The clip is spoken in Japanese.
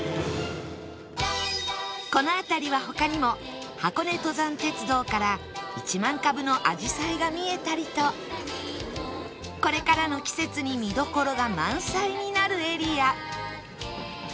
この辺りは他にも箱根登山鉄道から１万株のアジサイが見えたりとこれからの季節に見どころが満載になるエリア